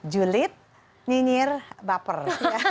julid nyinyir baper